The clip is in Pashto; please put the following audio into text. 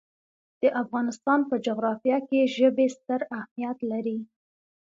د افغانستان په جغرافیه کې ژبې ستر اهمیت لري.